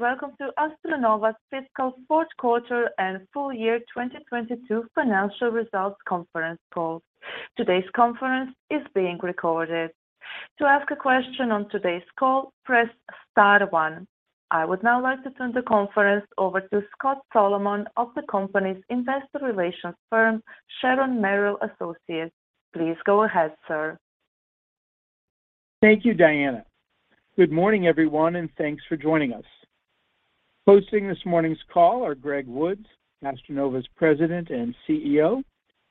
Welcome to AstroNova's fiscal fourth quarter and full year 2022 financial results conference call. Today's conference is being recorded. To ask a question on today's call, press star one. I would now like to turn the conference over to Scott Solomon of the company's investor relations firm, Sharon Merrill Associates. Please go ahead, sir. Thank you, Diana. Good morning, everyone, and thanks for joining us. Hosting this morning's call are Greg Woods, AstroNova's President and CEO,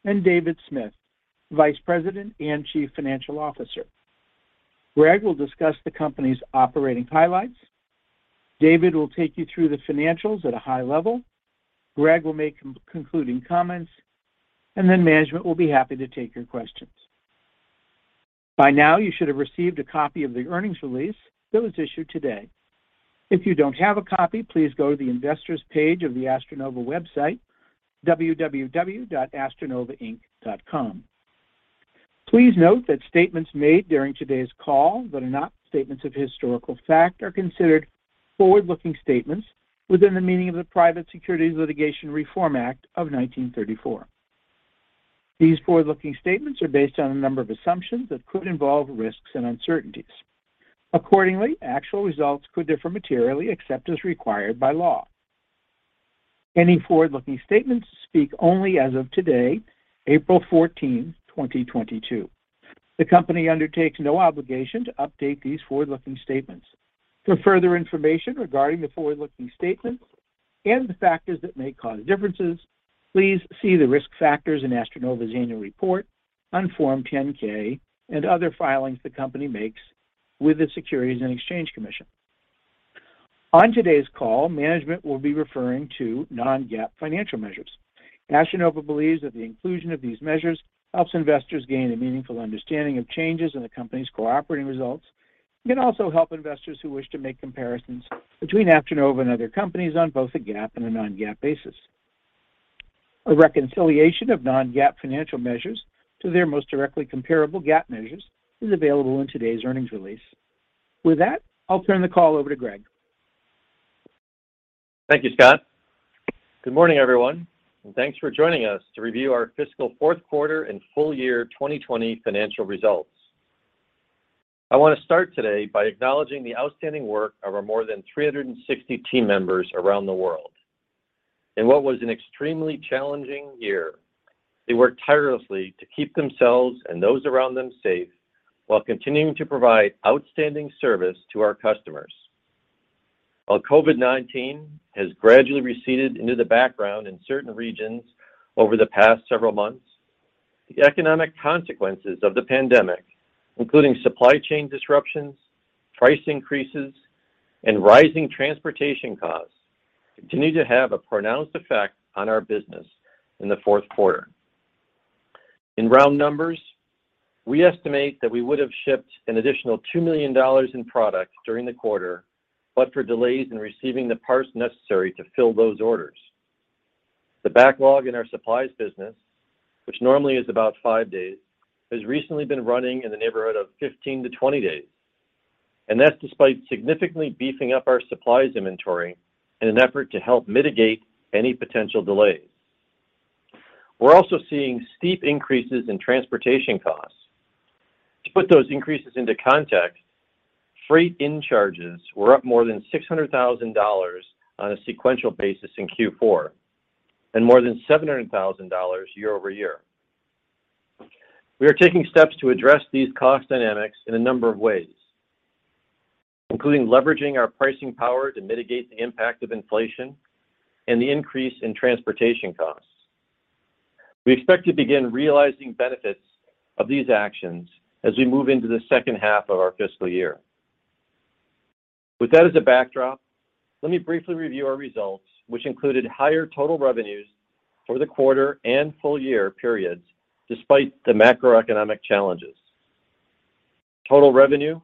and David Smith, Vice President and Chief Financial Officer. Greg will discuss the company's operating highlights. David will take you through the financials at a high level. Greg will make concluding comments, and then management will be happy to take your questions. By now, you should have received a copy of the earnings release that was issued today. If you don't have a copy, please go to the Investors page of the AstroNova website, www.astronovainc.com. Please note that statements made during today's call that are not statements of historical fact are considered forward-looking statements within the meaning of the Private Securities Litigation Reform Act of 1995. These forward-looking statements are based on a number of assumptions that could involve risks and uncertainties. Accordingly, actual results could differ materially except as required by law. Any forward-looking statements speak only as of today, April 14th, 2022. The company undertakes no obligation to update these forward-looking statements. For further information regarding the forward-looking statements and the factors that may cause differences, please see the risk factors in AstroNova's annual report, on Form 10-K, and other filings the company makes with the Securities and Exchange Commission. On today's call, management will be referring to non-GAAP financial measures. AstroNova believes that the inclusion of these measures helps investors gain a meaningful understanding of changes in the company's operating results and can also help investors who wish to make comparisons between AstroNova and other companies on both a GAAP and a non-GAAP basis. A reconciliation of non-GAAP financial measures to their most directly comparable GAAP measures is available in today's earnings release. With that, I'll turn the call over to Greg. Thank you, Scott. Good morning, everyone, and thanks for joining us to review our fiscal fourth quarter and full year 2020 financial results. I want to start today by acknowledging the outstanding work of our more than 360 team members around the world. In what was an extremely challenging year, they worked tirelessly to keep themselves and those around them safe while continuing to provide outstanding service to our customers. While COVID-19 has gradually receded into the background in certain regions over the past several months, the economic consequences of the pandemic, including supply chain disruptions, price increases, and rising transportation costs, continued to have a pronounced effect on our business in the fourth quarter. In round numbers, we estimate that we would have shipped an additional $2 million in product during the quarter, but for delays in receiving the parts necessary to fill those orders. The backlog in our supplies business, which normally is about five days, has recently been running in the neighborhood of 15-20 days. That's despite significantly beefing up our supplies inventory in an effort to help mitigate any potential delays. We're also seeing steep increases in transportation costs. To put those increases into context, freight in-charges were up more than $600,000 on a sequential basis in Q4 and more than $700,000 year-over-year. We are taking steps to address these cost dynamics in a number of ways, including leveraging our pricing power to mitigate the impact of inflation and the increase in transportation costs. We expect to begin realizing benefits of these actions as we move into the second half of our fiscal year. With that as a backdrop, let me briefly review our results, which included higher total revenues for the quarter and full year periods despite the macroeconomic challenges. Total revenue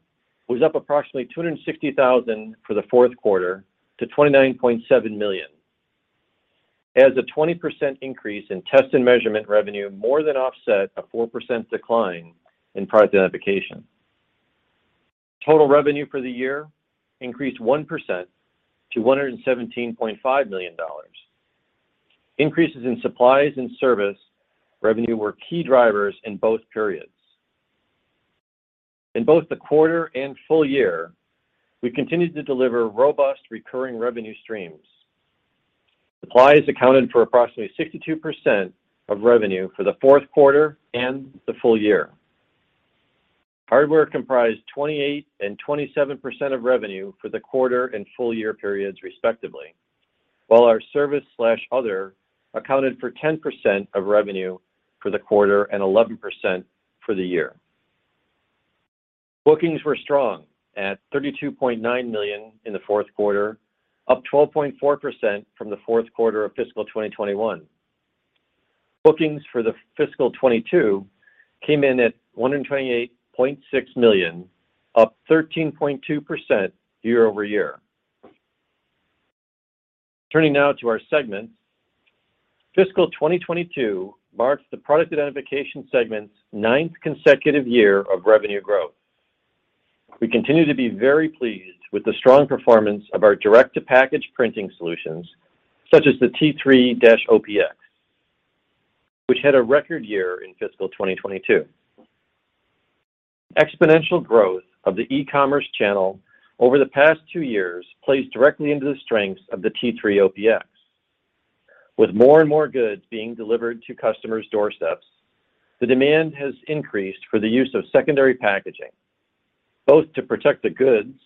was up approximately $260,000 for the fourth quarter to $29.7 million as a 20% increase in Test & Measurement revenue more than offset a 4% decline in Product Identification. Total revenue for the year increased 1% to $117.5 million. Increases in supplies and service revenue were key drivers in both periods. In both the quarter and full year, we continued to deliver robust recurring revenue streams. Supplies accounted for approximately 62% of revenue for the fourth quarter and the full year. Hardware comprised 28% and 27% of revenue for the quarter and full year periods, respectively, while our service/other accounted for 10% of revenue for the quarter and 11% for the year. Bookings were strong at $32.9 million in the fourth quarter, up 12.4% from the fourth quarter of fiscal 2021. Bookings for fiscal 2022 came in at $128.6 million, up 13.2% year-over-year. Turning now to our segments. Fiscal 2022 marks the Product Identification segment's 9th consecutive year of revenue growth. We continue to be very pleased with the strong performance of our direct to package printing solutions, such as the T3-OPX, which had a record year in fiscal 2022. Exponential growth of the e-commerce channel over the past two years plays directly into the strengths of the T3-OPX. With more and more goods being delivered to customers' doorsteps, the demand has increased for the use of secondary packaging, both to protect the goods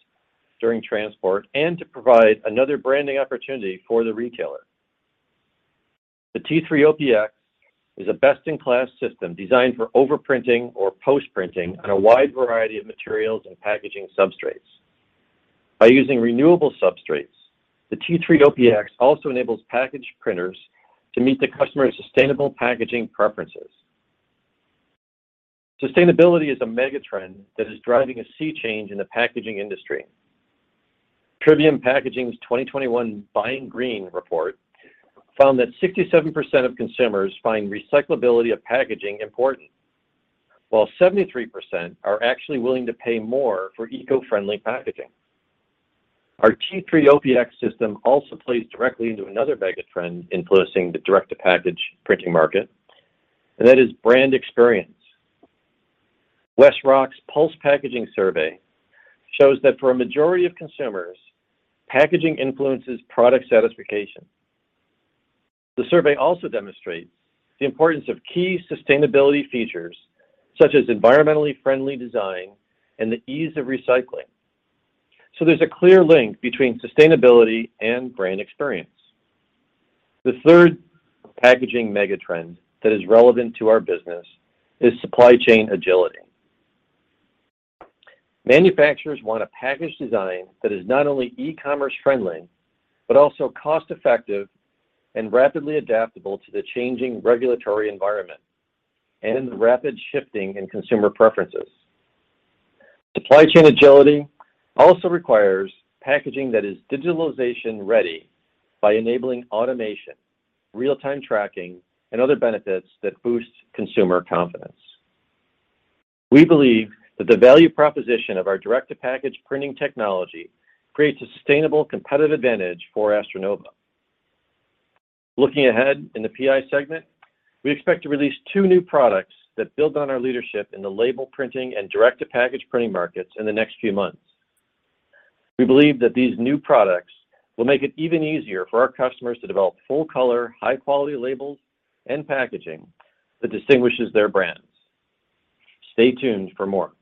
during transport and to provide another branding opportunity for the retailer. The T3-OPX is a best-in-class system designed for overprinting or post-printing on a wide variety of materials and packaging substrates. By using renewable substrates, the T3-OPX also enables package printers to meet the customer's sustainable packaging preferences. Sustainability is a mega trend that is driving a sea change in the packaging industry. Trivium Packaging's 2021 Buying Green Report found that 67% of consumers find recyclability of packaging important, while 73% are actually willing to pay more for eco-friendly packaging. Our T3-OPX system also plays directly into another mega trend influencing the direct to package printing market, and that is brand experience. WestRock's Pulse Packaging Survey shows that for a majority of consumers, packaging influences product satisfaction. The survey also demonstrates the importance of key sustainability features, such as environmentally friendly design and the ease of recycling. There's a clear link between sustainability and brand experience. The third packaging mega trend that is relevant to our business is supply chain agility. Manufacturers want a package design that is not only e-commerce friendly, but also cost-effective and rapidly adaptable to the changing regulatory environment and rapid shifting in consumer preferences. Supply chain agility also requires packaging that is digitalization ready by enabling automation, real-time tracking, and other benefits that boost consumer confidence. We believe that the value proposition of our direct to package printing technology creates a sustainable competitive advantage for AstroNova. Looking ahead in the PI segment, we expect to release two new products that build on our leadership in the label printing and direct to package printing markets in the next few months. We believe that these new products will make it even easier for our customers to develop full-color, high-quality labels and packaging that distinguishes their brands. Stay tuned for more.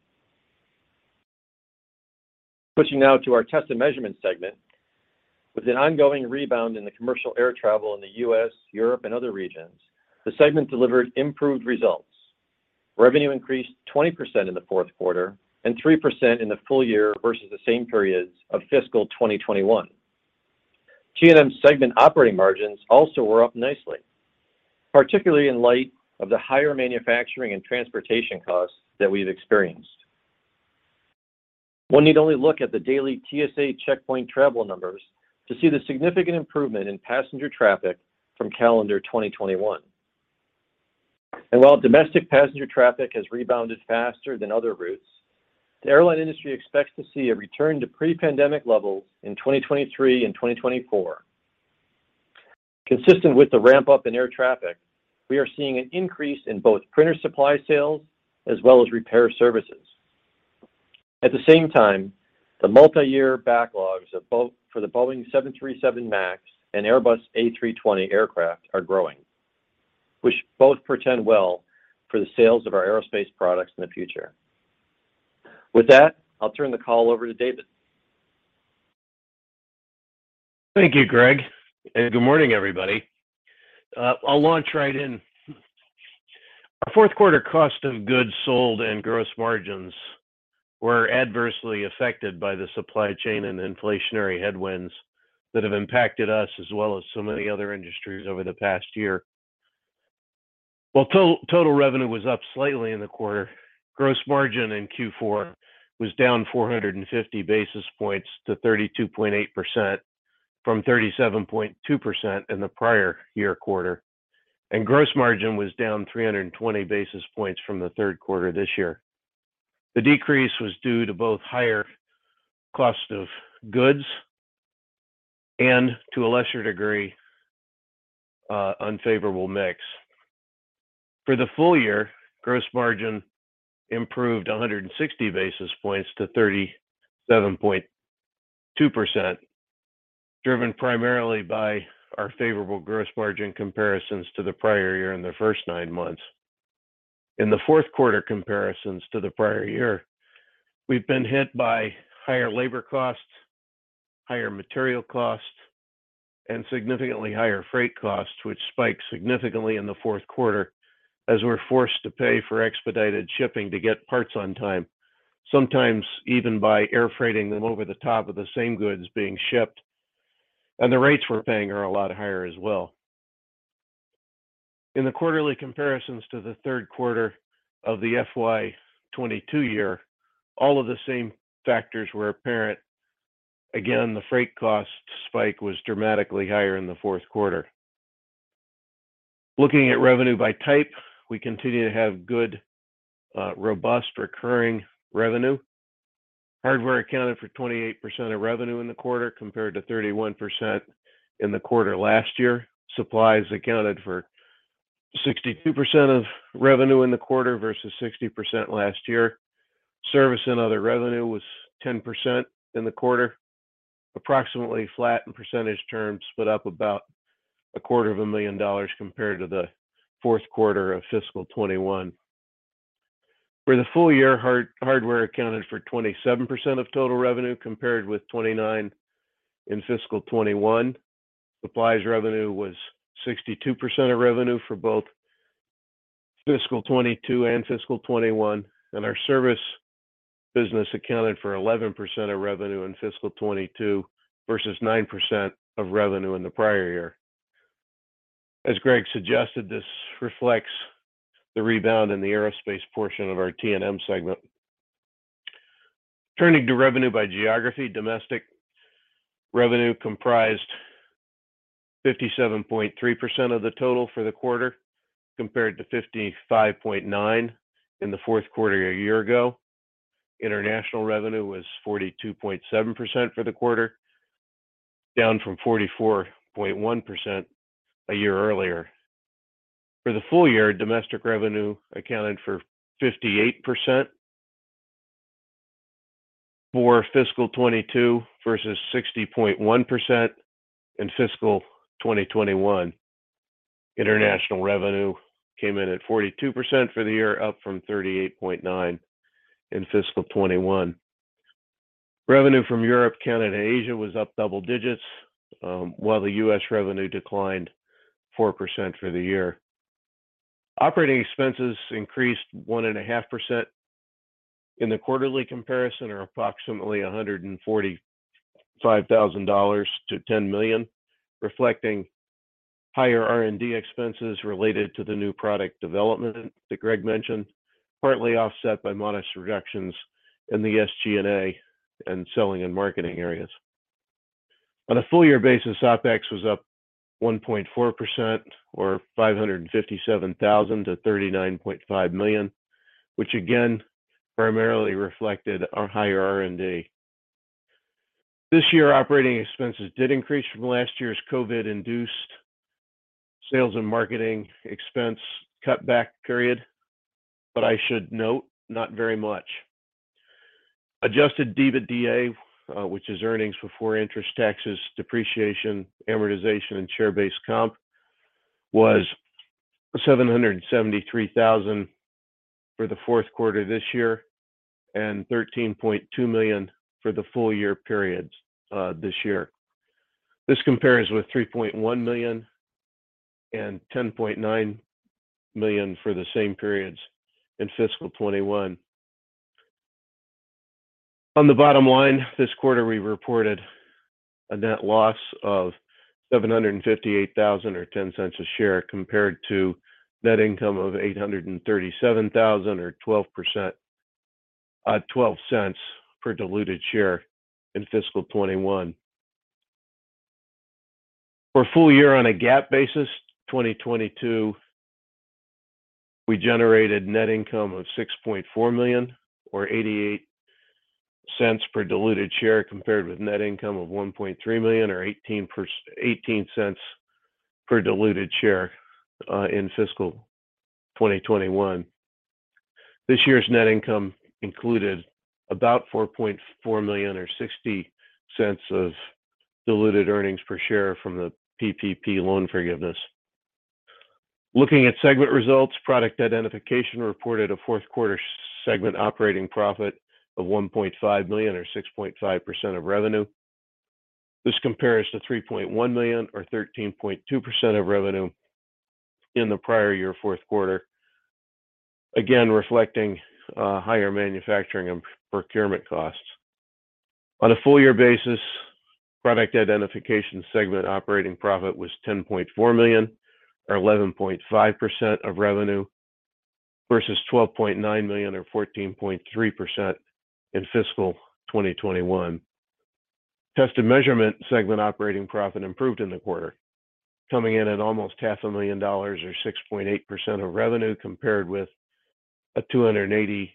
Switching now to our test and measurement segment. With an ongoing rebound in the commercial air travel in the U.S., Europe, and other regions, the segment delivered improved results. Revenue increased 20% in the fourth quarter and 3% in the full year versus the same periods of fiscal 2021. T&M's segment operating margins also were up nicely, particularly in light of the higher manufacturing and transportation costs that we've experienced. One need only look at the daily TSA checkpoint travel numbers to see the significant improvement in passenger traffic from calendar 2021. While domestic passenger traffic has rebounded faster than other routes, the airline industry expects to see a return to pre-pandemic levels in 2023 and 2024. Consistent with the ramp-up in air traffic, we are seeing an increase in both printer supply sales as well as repair services. At the same time, the multi-year backlogs of both for the Boeing 737 MAX and Airbus A320 aircraft are growing, which both portend well for the sales of our aerospace products in the future. With that, I'll turn the call over to David. Thank you, Greg, and good morning, everybody. I'll launch right in. Our fourth quarter cost of goods sold and gross margins were adversely affected by the supply chain and inflationary headwinds that have impacted us as well as so many other industries over the past year. While total revenue was up slightly in the quarter, gross margin in Q4 was down 450 basis points to 32.8% from 37.2% in the prior year quarter, and gross margin was down 320 basis points from the third quarter this year. The decrease was due to both higher cost of goods and to a lesser degree, unfavorable mix. For the full year, gross margin improved 100 basis points to 37.2%, driven primarily by our favorable gross margin comparisons to the prior year in the first nine months. In the fourth quarter comparisons to the prior year, we've been hit by higher labor costs, higher material costs, and significantly higher freight costs, which spiked significantly in the fourth quarter as we're forced to pay for expedited shipping to get parts on time, sometimes even by air freighting them over the top of the same goods being shipped. The rates we're paying are a lot higher as well. In the quarterly comparisons to the third quarter of the FY 2022 year, all of the same factors were apparent. Again, the freight cost spike was dramatically higher in the fourth quarter. Looking at revenue by type, we continue to have good, robust recurring revenue. Hardware accounted for 28% of revenue in the quarter, compared to 31% in the quarter last year. Supplies accounted for 62% of revenue in the quarter versus 60% last year. Service and other revenue was 10% in the quarter, approximately flat in percentage terms, but up about a quarter of a million dollars compared to the fourth quarter of fiscal 2021. For the full year, hardware accounted for 27% of total revenue, compared with 29% in fiscal 2021. Supplies revenue was 62% of revenue for both fiscal 2022 and fiscal 2021. Our service business accounted for 11% of revenue in fiscal 2022 versus 9% of revenue in the prior year. As Greg suggested, this reflects the rebound in the aerospace portion of our T&M segment. Turning to revenue by geography, domestic revenue comprised 57.3% of the total for the quarter, compared to 55.9% in the fourth quarter a year ago. International revenue was 42.7% for the quarter, down from 44.1% a year earlier. For the full year, domestic revenue accounted for 58% for fiscal 2022 versus 60.1% in fiscal 2021. International revenue came in at 42% for the year, up from 38.9% in fiscal 2021. Revenue from Europe, Canada, Asia was up double digits, while the U.S. revenue declined 4% for the year. Operating expenses increased 1.5% in the quarterly comparison or approximately $145,000-$10 million, reflecting higher R&D expenses related to the new product development that Greg mentioned, partly offset by modest reductions in the SG&A and selling and marketing areas. On a full year basis, OpEx was up 1.4% or $557,000 to $39.5 million, which again primarily reflected our higher R&D. This year, operating expenses did increase from last year's COVID-induced sales and marketing expense cutback period, but I should note, not very much. Adjusted EBITDA, which is earnings before interest, taxes, depreciation, amortization, and share-based comp, was $773,000 for the fourth quarter this year and $13.2 million for the full year periods, this year. This compares with $3.1 million and $10.9 million for the same periods in fiscal 2021. On the bottom line, this quarter, we reported a net loss of $758,000 or $0.10 per share, compared to net income of $837,000 or $0.12 per diluted share in fiscal 2021. For a full year on a GAAP basis, 2022, we generated net income of $6.4 million or $0.88 per diluted share, compared with net income of $1.3 million or $0.18 per diluted share in fiscal 2021. This year's net income included about $4.4 million or $0.60 of diluted earnings per share from the PPP loan forgiveness. Looking at segment results, Product Identification reported a fourth quarter segment operating profit of $1.5 million or 6.5% of revenue. This compares to $3.1 million or 13.2% of revenue in the prior year fourth quarter, again reflecting higher manufacturing and procurement costs. On a full year basis, Product Identification segment operating profit was $10.4 million or 11.5% of revenue versus $12.9 million or 14.3% in fiscal 2021. Test & Measurement segment operating profit improved in the quarter, coming in at almost $500,000 or 6.8% of revenue compared with $282,000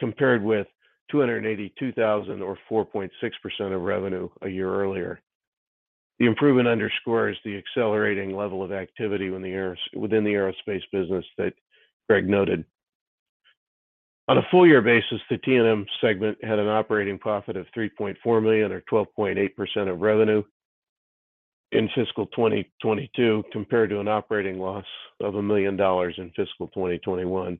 or 4.6% of revenue a year earlier. The improvement underscores the accelerating level of activity within the aerospace business that Greg noted. On a full year basis, the T&M segment had an operating profit of $3.4 million or 12.8% of revenue in fiscal 2022, compared to an operating loss of $1 million in fiscal 2021.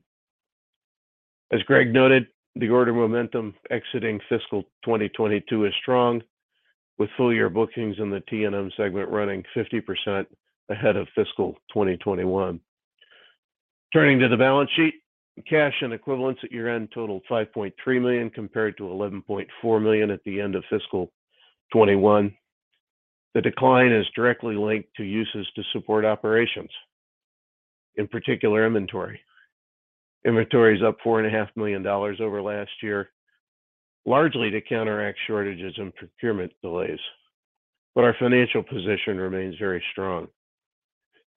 As Greg noted, the order momentum exiting fiscal 2022 is strong, with full year bookings in the T&M segment running 50% ahead of fiscal 2021. Turning to the balance sheet, cash and equivalents at year-end totaled $5.3 million compared to $11.4 million at the end of fiscal 2021. The decline is directly linked to uses to support operations, in particular inventory. Inventory is up four and $500,000 over last year, largely to counteract shortages and procurement delays. Our financial position remains very strong.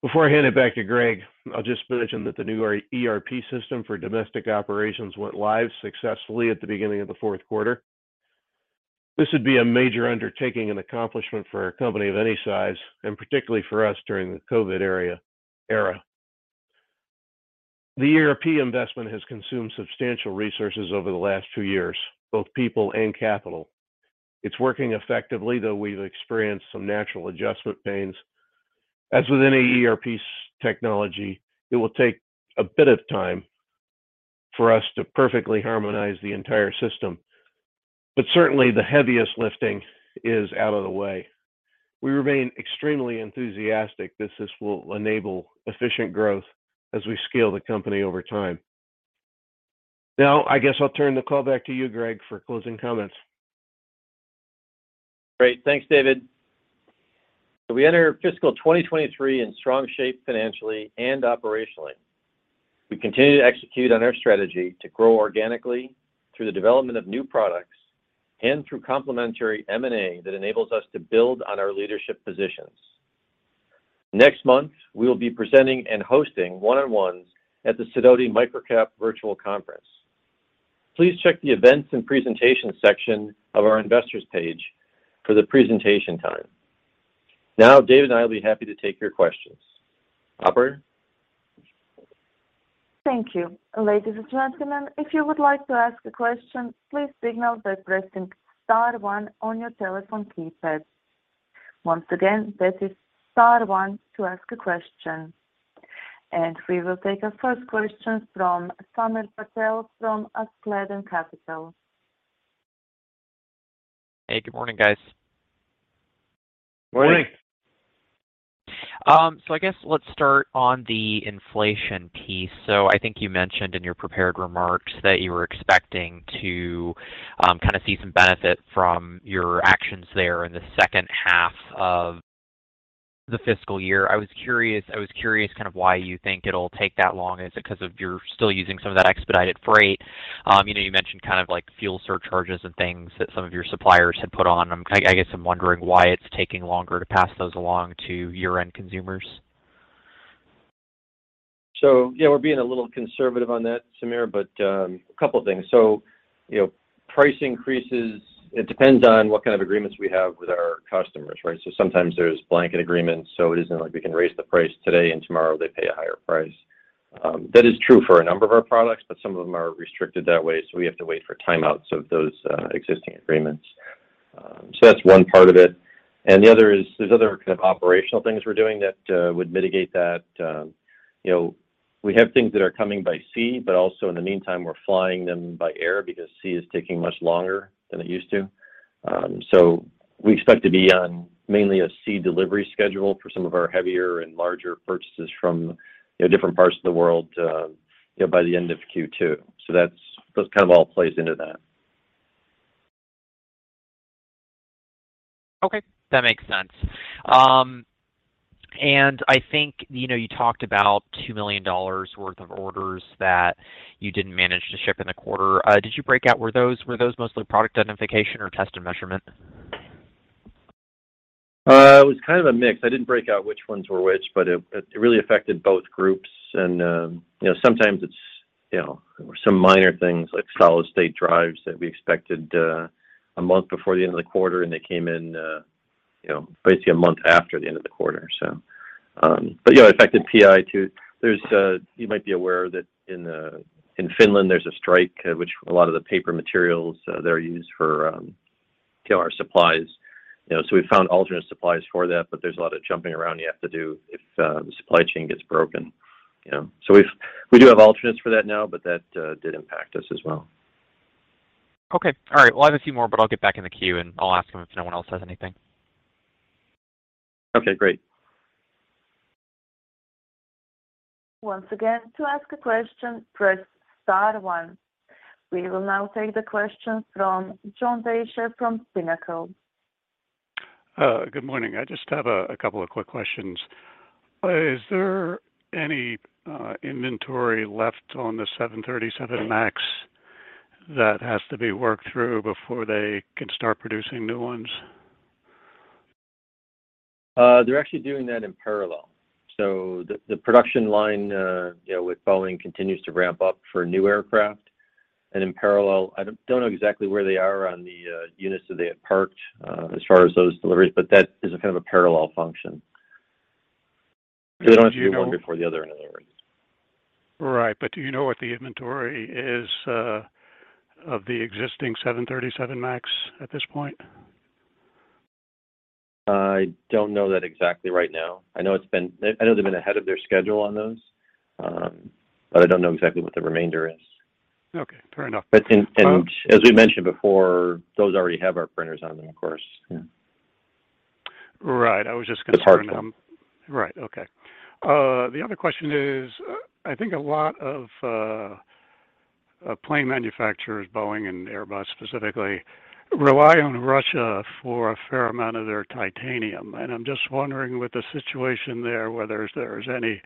Before I hand it back to Greg, I'll just mention that the new ERP system for domestic operations went live successfully at the beginning of the fourth quarter. This would be a major undertaking and accomplishment for a company of any size, and particularly for us during the COVID era. The ERP investment has consumed substantial resources over the last two years, both people and capital. It's working effectively, though we've experienced some natural adjustment pains. As with any ERP technology, it will take a bit of time for us to perfectly harmonize the entire system. Certainly the heaviest lifting is out of the way. We remain extremely enthusiastic that this will enable efficient growth as we scale the company over time. Now, I guess I'll turn the call back to you, Greg, for closing comments. Great. Thanks, David. We enter fiscal 2023 in strong shape financially and operationally. We continue to execute on our strategy to grow organically through the development of new products and through complementary M&A that enables us to build on our leadership positions. Next month, we will be presenting and hosting one-on-ones at the Sidoti Micro-Cap Virtual Conference. Please check the Events and Presentation section of our investors page for the presentation time. Now, Dave and I will be happy to take your questions. Operator? Thank you. Ladies and gentlemen, if you would like to ask a question, please signal by pressing star one on your telephone keypads. Once again, that is star one to ask a question. We will take our first question from Samir Patel from Askeladden Capital. Hey, good morning, guys. Morning. Morning. I guess let's start on the inflation piece. I think you mentioned in your prepared remarks that you were expecting to kind of see some benefit from your actions there in the second half of the fiscal year. I was curious kind of why you think it'll take that long. Is it 'cause you're still using some of that expedited freight? You know, you mentioned kind of like fuel surcharges and things that some of your suppliers had put on. I guess I'm wondering why it's taking longer to pass those along to year-end consumers. Yeah, we're being a little conservative on that, Samir, but a couple things. You know, price increases, it depends on what kind of agreements we have with our customers, right? Sometimes there's blanket agreements, so it isn't like we can raise the price today and tomorrow they pay a higher price. That is true for a number of our products, but some of them are restricted that way, so we have to wait for timeouts of those existing agreements. That's one part of it. The other is there's other kind of operational things we're doing that would mitigate that. You know, we have things that are coming by sea, but also in the meantime, we're flying them by air because sea is taking much longer than it used to. We expect to be on mainly a sea delivery schedule for some of our heavier and larger purchases from, you know, different parts of the world, you know, by the end of Q2. That’s those kind of all plays into that. Okay. That makes sense. I think, you know, you talked about $2 million worth of orders that you didn't manage to ship in the quarter. Did you break out were those mostly Product Identification or test and measurement? It was kind of a mix. I didn't break out which ones were which, but it really affected both groups and, you know, sometimes it's, you know, some minor things like solid-state drives that we expected a month before the end of the quarter, and they came in, you know, basically a month after the end of the quarter. Yeah, it affected PI too. You might be aware that in Finland, there's a strike, which a lot of the paper materials that are used for, you know, our supplies. You know, we found alternate supplies for that, but there's a lot of jumping around you have to do if the supply chain gets broken, you know? We do have alternatives for that now, but that did impact us as well. Okay. All right. Well, I have a few more, but I'll get back in the queue, and I'll ask them if no one else has anything. Okay, great. Once again, to ask a question, press star one. We will now take the question from John DeJoria from Pinnacle. Good morning. I just have a couple of quick questions. Is there any inventory left on the 737 MAX that has to be worked through before they can start producing new ones? They're actually doing that in parallel. The production line with Boeing continues to ramp up for new aircraft. In parallel, I don't know exactly where they are on the units that they have parked as far as those deliveries, but that is a kind of a parallel function. They don't have to do one before the other, in other words. Right. Do you know what the inventory is of the existing 737 MAX at this point? I don't know that exactly right now. I know they've been ahead of their schedule on those, but I don't know exactly what the remainder is. Okay. Fair enough. As we mentioned before, those already have our printers on them, of course. Yeah. Right. It's hard to know. Right. Okay. The other question is, I think a lot of plane manufacturers, Boeing and Airbus specifically, rely on Russia for a fair amount of their titanium. I'm just wondering with the situation there, whether there's any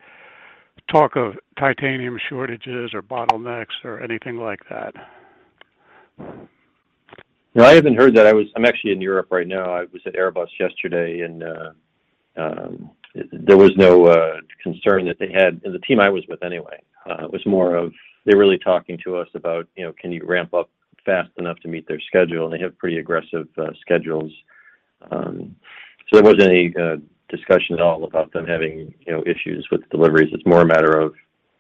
talk of titanium shortages or bottlenecks or anything like that. No, I haven't heard that. I'm actually in Europe right now. I was at Airbus yesterday, and there was no concern that they had, the team I was with anyway. It was more of they're really talking to us about, you know, can you ramp up fast enough to meet their schedule? They have pretty aggressive schedules. There wasn't any discussion at all about them having, you know, issues with deliveries. It's more a matter of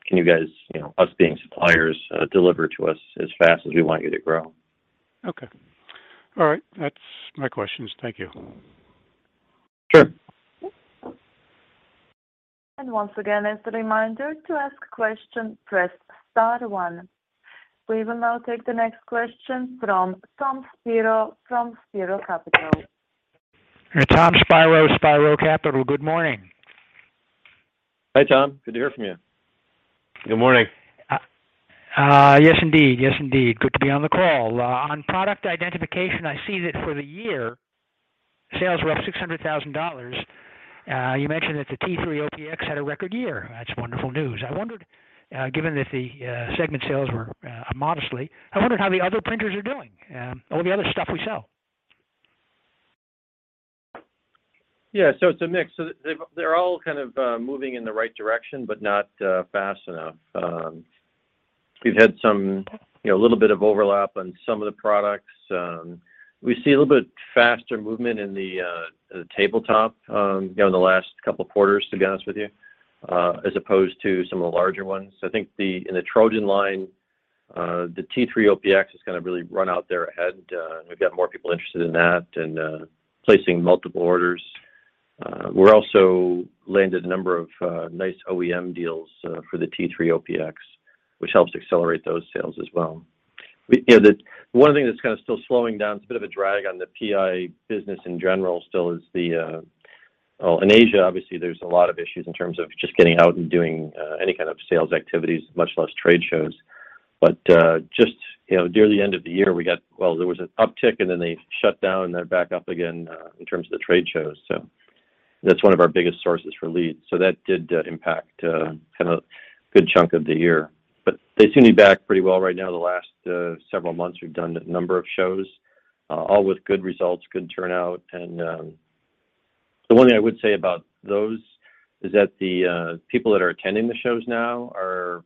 can you guys, you know, us being suppliers, deliver to us as fast as we want you to grow. Okay. All right. That's my questions. Thank you. Sure. Once again, as a reminder, to ask a question, press star one. We will now take the next question from Tom Spiro from Spiro Capital. Tom with Spiro Capital. Good morning. Hi, Tom. Good to hear from you. Good morning. Yes, indeed. Good to be on the call. On Product Identification, I see that for the year, sales were up $600,000. You mentioned that the T3-OPX had a record year. That's wonderful news. I wondered, given that the segment sales were modestly, how the other printers are doing, all the other stuff we sell. Yeah. It's a mix. They're all kind of moving in the right direction, but not fast enough. We've had some, you know, a little bit of overlap on some of the products. We see a little bit faster movement in the tabletop, you know, in the last couple of quarters, to be honest with you, as opposed to some of the larger ones. I think in the TrojanLabel line, the T3-OPX has kind of really run out there ahead, and we've got more people interested in that, and placing multiple orders. We've also landed a number of nice OEM deals for the T3-OPX, which helps accelerate those sales as well. You know, the one thing that's kind of still slowing down. It's a bit of a drag on the PI business in general. Still is the. Well, in Asia, obviously, there's a lot of issues in terms of just getting out and doing any kind of sales activities, much less trade shows. But just, you know, near the end of the year, we got. Well, there was an uptick, and then they shut down. They're back up again in terms of the trade shows. So that's one of our biggest sources for leads. So that did impact kind of good chunk of the year. But they seem to be back pretty well right now. The last several months, we've done a number of shows, all with good results, good turnout. The one thing I would say about those is that the people that are attending the shows now are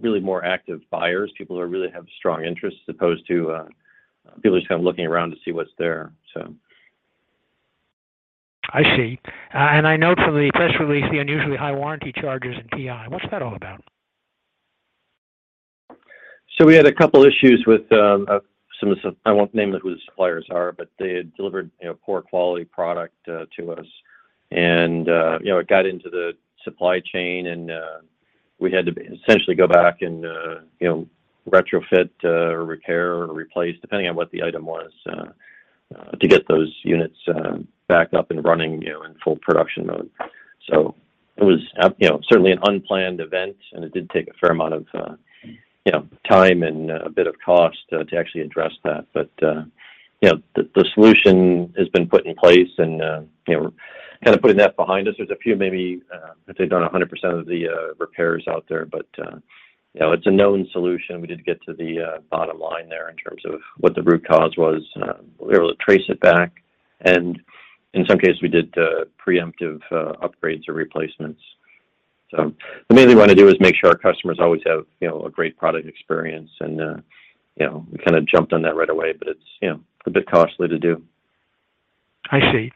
really more active buyers. People who really have strong interest as opposed to people just kind of looking around to see what's there. I see. I note from the press release the unusually high warranty charges in PI. What's that all about? We had a couple issues with some of the—I won't name who the suppliers are, but they had delivered, you know, poor quality product to us. It got into the supply chain, and we had to essentially go back and, you know, retrofit, repair or replace, depending on what the item was, to get those units back up and running, you know, in full production mode. It was, you know, certainly an unplanned event, and it did take a fair amount of, you know, time and a bit of cost to actually address that. The solution has been put in place and, you know, kind of putting that behind us. I'd say not 100% of the repairs out there, but you know, it's a known solution. We did get to the bottom line there in terms of what the root cause was. We were able to trace it back, and in some cases, we did preemptive upgrades or replacements. The main thing we want to do is make sure our customers always have you know, a great product experience and you know, we kind of jumped on that right away. It's you know, a bit costly to do. I see.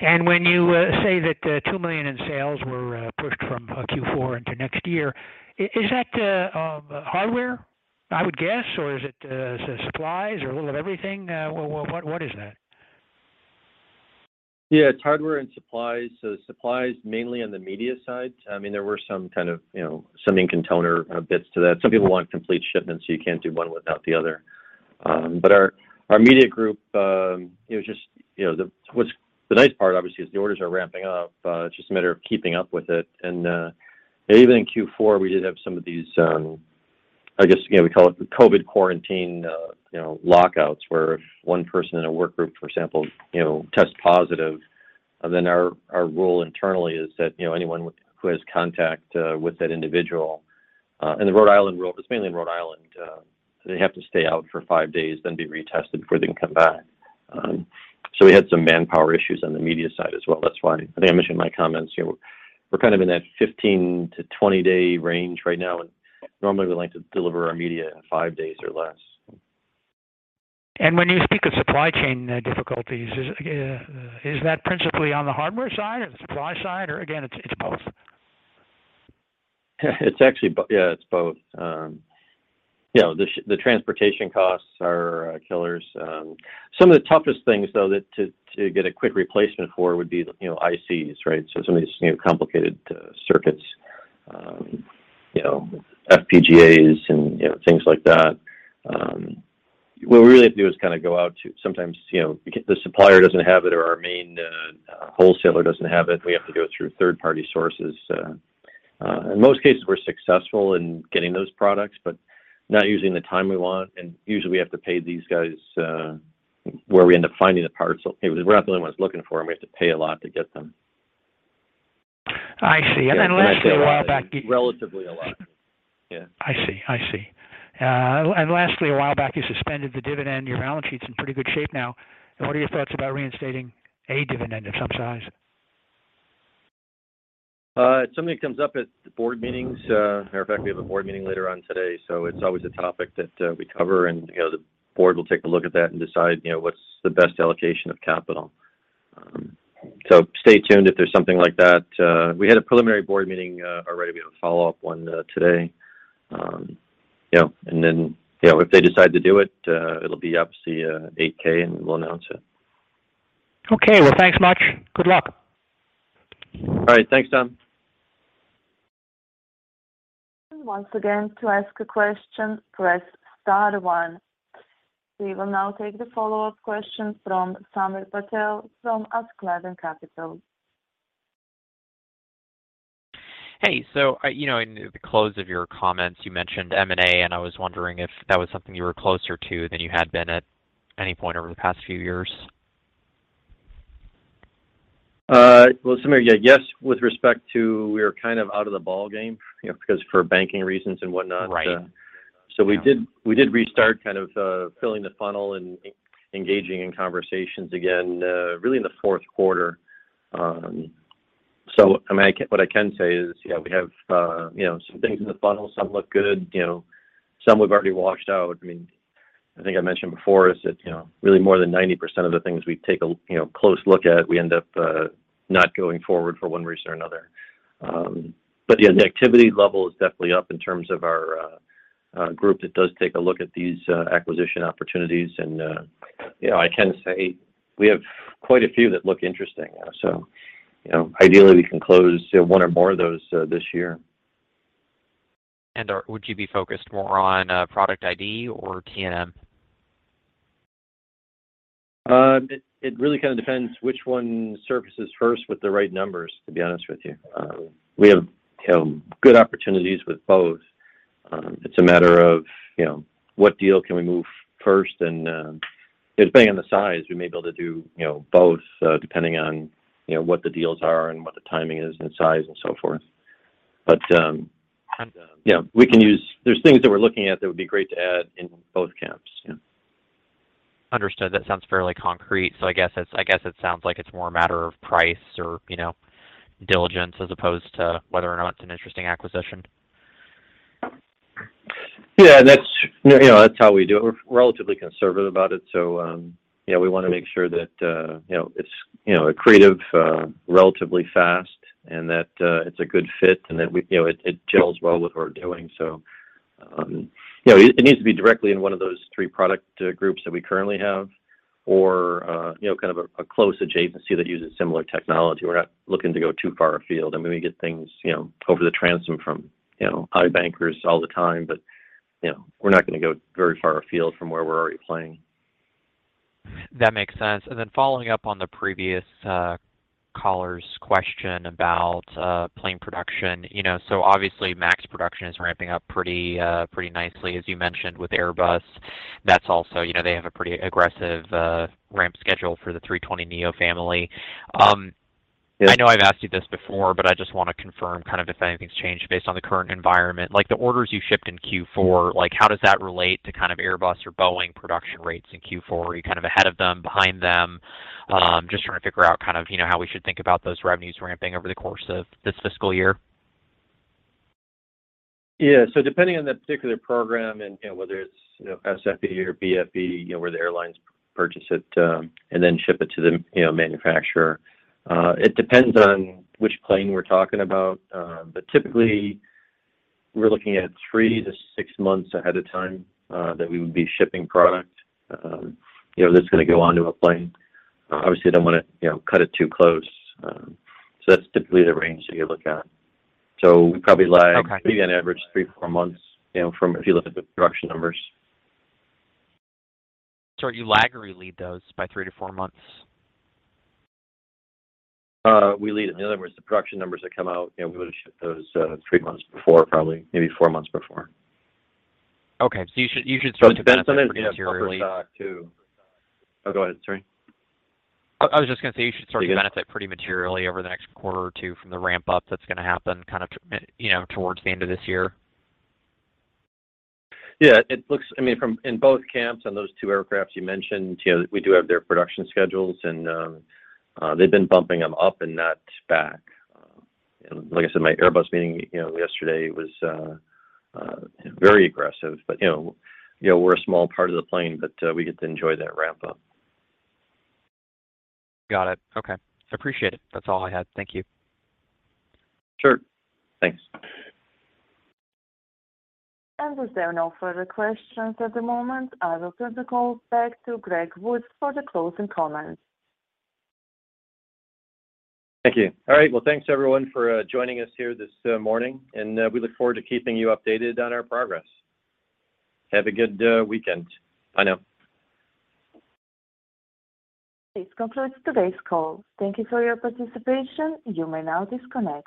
When you say that $2 million in sales were pushed from Q4 into next year, is that hardware? I would guess, or is it supplies or a little of everything? What is that? Yeah, it's hardware and supplies. Supplies mainly on the media side. I mean, there were some kind of, you know, something, cyan toner, with that. Some people want complete shipments, so you can't do one without the other. Our media group, it was just, you know. What's the nice part, obviously, is the orders are ramping up. It's just a matter of keeping up with it. Even in Q4, we did have some of these, I guess, you know, we call it the COVID quarantine, you know, lockouts where if one person in a work group, for example, you know, tests positive, then our rule internally is that, you know, anyone who has contact with that individual, in the Rhode Island rule, it's mainly in Rhode Island, they have to stay out for five days then be retested before they can come back. We had some manpower issues on the media side as well. That's why I think I mentioned in my comments, you know, we're kind of in that 15-20 day range right now, and normally we like to deliver our media in five days or less. When you speak of supply chain difficulties, is that principally on the hardware side or the supply side, or again, it's both? Yeah, it's both. You know, the transportation costs are killers. Some of the toughest things, though, to get a quick replacement for would be, you know, ICs, right? Some of these, you know, complicated circuits. FPGA and things like that. What we really have to do is kind of go out to sometimes, you know, the supplier doesn't have it or our main wholesaler doesn't have it, we have to go through third-party sources. In most cases, we're successful in getting those products, but not usually in the time we want, and usually we have to pay these guys where we end up finding the parts. We're not the only ones looking for them, we have to pay a lot to get them. I see. Lastly, a while back. Relatively a lot. Yeah. I see. Lastly, a while back, you suspended the dividend. Your balance sheet's in pretty good shape now. What are your thoughts about reinstating a dividend of some size? It's something that comes up at the board meetings. Matter of fact, we have a board meeting later on today, so it's always a topic that we cover. You know, the board will take a look at that and decide, you know, what's the best allocation of capital. Stay tuned if there's something like that. We had a preliminary board meeting already. We have a follow-up one today. Yeah, then, you know, if they decide to do it'll be on the 8-K, and we'll announce it. Okay. Well, thanks much. Good luck. All right. Thanks, Tom. We will now take the follow-up question from Samir Patel from Askeladden Capital. Hey. You know, in the close of your comments, you mentioned M&A, and I was wondering if that was something you were closer to than you had been at any point over the past few years. Samir, yeah. Yes, with respect to, we're kind of out of the ball game, you know, because for banking reasons and whatnot. Right. We did restart kind of filling the funnel and engaging in conversations again really in the fourth quarter. I mean, what I can say is, you know, we have you know some things in the funnel, some look good, you know. Some we've already washed out. I mean, I think I mentioned before, is that, you know, really more than 90% of the things we take a you know close look at, we end up not going forward for one reason or another. Yeah, the activity level is definitely up in terms of our group that does take a look at these acquisition opportunities. You know, I can say we have quite a few that look interesting. You know, ideally, we can close one or more of those this year. Would you be focused more on product ID or T&M? It really kind of depends which one surfaces first with the right numbers, to be honest with you. We have, you know, good opportunities with both. It's a matter of, you know, what deal can we move first. Depending on the size, we may be able to do, you know, both, depending on, you know, what the deals are and what the timing is and size and so forth. You know, there's things that we're looking at that would be great to add in both camps. Yeah. Understood. That sounds fairly concrete. I guess it sounds like it's more a matter of price or, you know, diligence, as opposed to whether or not it's an interesting acquisition. Yeah. That's, you know, that's how we do it. We're relatively conservative about it. Yeah, we wanna make sure that, you know, it's, you know, accretive, relatively fast and that, it's a good fit and that we, you know, it gels well with what we're doing. You know, it needs to be directly in one of those three product groups that we currently have or, you know, kind of a close adjacency that uses similar technology. We're not looking to go too far afield. I mean, we get things, you know, over the transom from, you know, I bankers all the time, but, you know, we're not gonna go very far afield from where we're already playing. That makes sense. Following up on the previous caller's question about plane production. You know, so obviously, MAX production is ramping up pretty nicely, as you mentioned, with Airbus. That's also, you know, they have a pretty aggressive ramp schedule for the A320neo family. I know I've asked you this before, but I just wanna confirm kind of if anything's changed based on the current environment. Like, the orders you shipped in Q4, like, how does that relate to kind of Airbus or Boeing production rates in Q4? Are you kind of ahead of them, behind them? Just trying to figure out kind of, you know, how we should think about those revenues ramping over the course of this fiscal year. Yeah. Depending on that particular program and, you know, whether it's, you know, SFE or BFE, you know, where the airlines purchase it, and then ship it to the, you know, manufacturer, it depends on which plane we're talking about. But typically we're looking at 3-6 months ahead of time, that we would be shipping product, you know, that's gonna go onto a plane. Obviously, don't wanna, you know, cut it too close. That's typically the range that you look at. We probably lag- Okay. Maybe on average 3-4 months, you know, from if you look at the production numbers. Sorry, you lag or you lead those by 3-4 months? We lead. In other words, the production numbers that come out, you know, we would have shipped those, three months before, probably maybe four months before. Okay. You should start to benefit pretty materially. Oh, go ahead. Sorry. I was just gonna say you should start to benefit pretty materially over the next quarter or two from the ramp up that's gonna happen kind of, you know, towards the end of this year. Yeah. I mean, from in both camps on those two aircrafts you mentioned, you know, we do have their production schedules, and they've been bumping them up and not back. Like I said, my Airbus meeting, you know, yesterday was very aggressive. You know, we're a small part of the plane, but we get to enjoy that ramp up. Got it. Okay. I appreciate it. That's all I had. Thank you. Sure. Thanks. With there being no further questions at the moment, I will turn the call back to Greg Woods for the closing comments. Thank you. All right. Well, thanks everyone for joining us here this morning, and we look forward to keeping you updated on our progress. Have a good weekend. Bye now. This concludes today's call. Thank you for your participation. You may now disconnect.